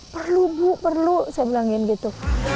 perlu bu perlu saya bilangin gitu